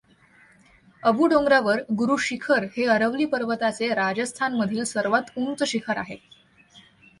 अबू डोंगरावर गुरु शिखर हे अरवली पर्वताचे राजस्थानमधील सर्वात उंच शिखर आहे.